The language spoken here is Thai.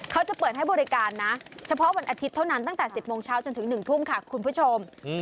เขาจะเปิดให้บริการนะเฉพาะวันอาทิตย์เท่านั้นตั้งแต่๑๐โมงเช้าจนถึง๑ทุ่มค่ะคุณผู้ชม